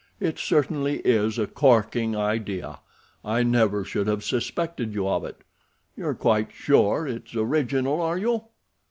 "It certainly IS a corking idea—I never should have suspected you of it. You're quite sure it's original, are you?"